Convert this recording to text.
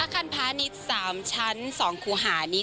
คันพาณิชย์๓ชั้น๒คูหานี้